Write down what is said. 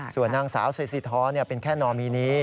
ส่วนนางสาวเซซีท้อเป็นแค่นอมินี